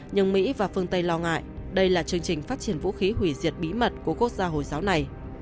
nhưng mỹ và phương tây lo ngại đây là chương trình phát triển vũ khí hủy diệt bí mật của quốc gia hồi giáo này